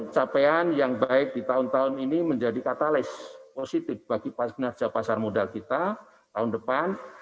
capaian yang baik di tahun tahun ini menjadi katalis positif bagi kinerja pasar modal kita tahun depan